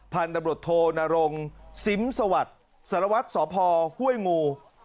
พันธุ์ตำรวจโทนรงซิมสวัสดิ์สารวัตรสพห้วยงู